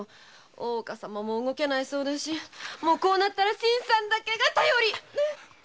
大岡様も動けないそうだしもう新さんだけが頼り。